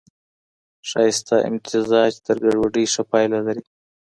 ښايسته امتزاج تر ګډوډۍ ښه پايله لري.